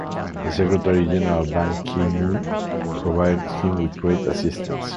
The Secretary General Ban Ki-moon provided him with great assistance.